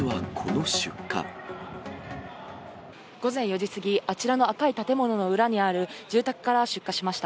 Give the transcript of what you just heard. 午前４時過ぎ、あちらの赤い建物の裏にある住宅から出火しました。